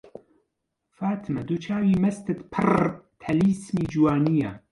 فاتمە دوو چاوی مەستت پڕ تەلیسمی جوانییە